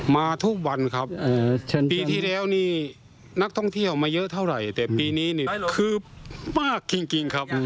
มาทุกวันครับปีที่แล้วนี่นักท่องเที่ยวมาเยอะเท่าไหร่แต่ปีนี้นี่คือมากจริงครับ